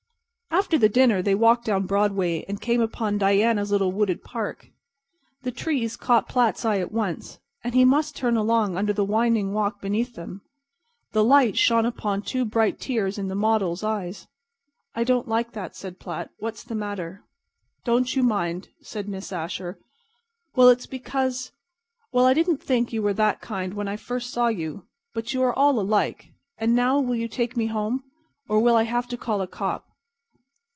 After the dinner they walked down Broadway and came upon Diana's little wooded park. The trees caught Platt's eye at once, and he must turn along under the winding walk beneath them. The lights shone upon two bright tears in the model's eyes. "I don't like that," said Platt. "What's the matter?" "Don't you mind," said Miss Asher. "Well, it's because—well, I didn't think you were that kind when I first saw you. But you are all like. And now will you take me home, or will I have to call a cop?"